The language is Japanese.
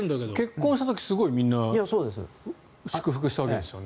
結婚した時、すごいみんな祝福したわけですよね。